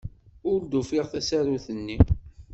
Ur d-ufiɣ tasarut-inu.